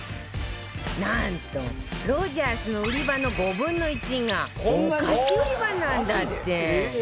なんとロヂャースの売り場の５分の１がお菓子売り場なんだって！